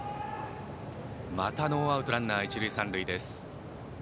またノーアウトランナー、一塁三塁です。